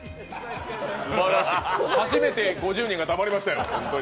初めて５０人が黙りましたよ。